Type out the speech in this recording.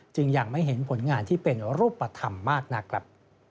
ยังไม่เห็นผลงานที่เป็นรูปธรรมมากนักครับ